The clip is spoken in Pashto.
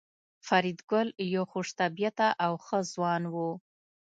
فریدګل یو خوش طبیعته او ښه ځوان و